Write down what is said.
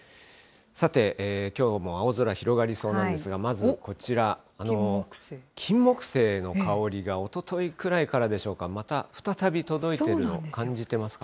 さて、きょうも青空広がりそうなんですが、まずこちら、キンモクセイの香りがおとといくらいからでしょうか、また再び届いているのを感じてますか。